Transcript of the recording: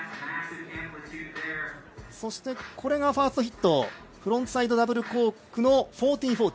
そしてこれがファーストヒット、フロントサイドダブルコーク１４４０。